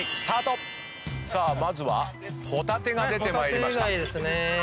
さあまずは帆立が出てまいりました。